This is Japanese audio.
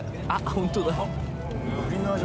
本当だ。